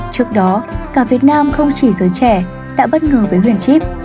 trước đó cả việt nam không chỉ dưới trẻ đã bất ngờ với huyền chíp